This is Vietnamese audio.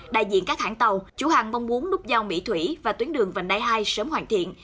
đại diện các hãng tàu chủ hàng mong muốn nút giao mỹ thủy và tuyến đường vành đai hai sớm hoàn thiện